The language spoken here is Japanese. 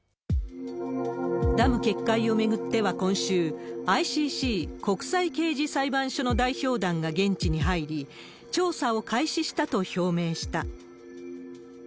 ダム決壊を巡っては今週、ＩＣＣ・国際刑事裁判所の代表団が現地に入り、調査を開始したと表明した。